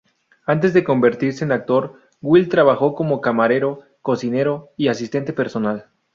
Antes de convertirse en actor Wil trabajó como camarero, cocinero y asistente personal.